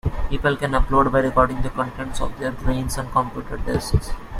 People can "upload" by recording the contents of their brains on computer disks.